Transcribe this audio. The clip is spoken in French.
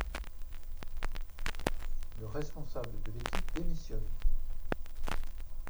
Le responsable de l'équipe démissionne.